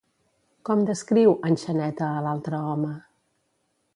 Com descriu en Xaneta a l'altre home?